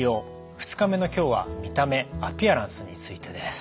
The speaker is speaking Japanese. ２日目の今日は見た目アピアランスについてです。